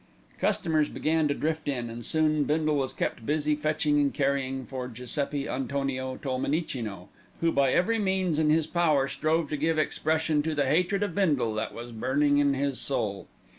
Customers began to drift in, and soon Bindle was kept busy fetching and carrying for Giuseppi Antonio Tolmenicino, who by every means in his power strove to give expression to the hatred of Bindle that was burning in his soul.